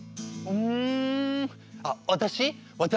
うん。